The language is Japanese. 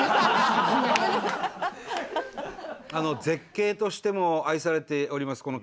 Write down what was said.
絶景としても愛されております